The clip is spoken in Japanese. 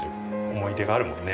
思い出があるもんね。